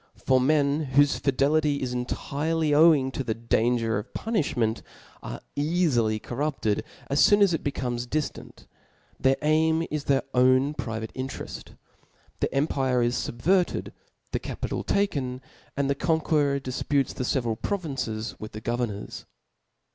For men whofe fidelity is intirely owing to the dansjer of punifliment, are eafily corrupted as foon as it becomes diftant ; their aim is their own private* intereft. The empire is fubverted, the capital taken, and the conqueror difputes the feveral pro vinces with the governors.